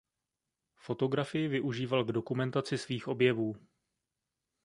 Fotografii využíval k dokumentaci svých objevů.